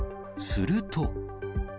すると。